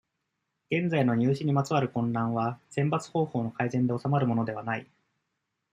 現在の入試にまつわる混乱は、選抜方法の改善で収まるものではない。